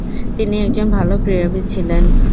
তিনি একজন ভালো ক্রীড়াবিদ ছিলেন।